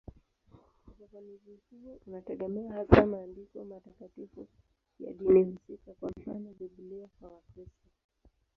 Ufafanuzi huo unategemea hasa maandiko matakatifu ya dini husika, kwa mfano Biblia kwa Wakristo.